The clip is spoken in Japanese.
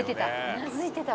「うなずいてた。